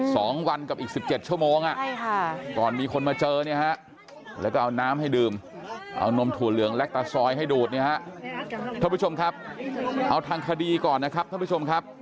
ท่านผู้ชมครับเอาทางคดีก่อนนะครับท่านผู้ชมครับ